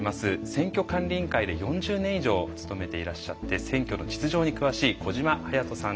選挙管理委員会で４０年以上勤めていらっしゃって選挙の実情に詳しい小島勇人さんです。